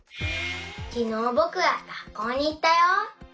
きのうぼくはがっこうにいったよ。